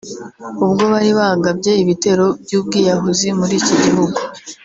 ubwo bari bagabye ibitero by’ubwiyahuzi muri iki gihugu